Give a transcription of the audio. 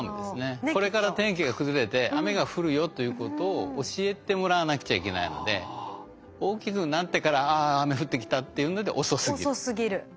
これから天気が崩れて雨が降るよということを教えてもらわなくちゃいけないので大きくなってから「ああ雨降ってきた」っていうのでは遅すぎる。